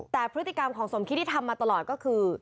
แต่พฤติกรรมของสมคิดที่ทำมาตลอดก็คือ